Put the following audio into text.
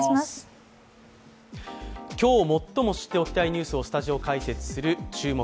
今日最も知っておきたいニュースをスタジオ解説する「注目！